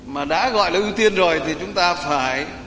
mà đã gọi là ưu tiên rồi thì chúng ta phải